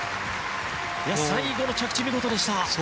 最後の着地、見事でした。